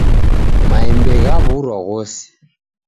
Maembe ghaw'urwa ghose.